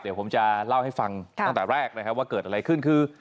เดี๋ยวผมจะเล่าให้ฟังตั้งแต่แรกนะครับว่าเกิดอะไรขึ้นคือ